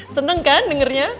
senang kan dengernya